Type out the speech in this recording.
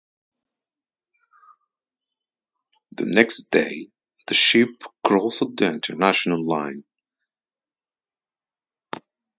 The next day the ship crossed the International Date Line.